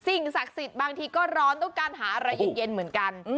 ศักดิ์สิทธิ์บางทีก็ร้อนต้องการหาอะไรเย็นเหมือนกัน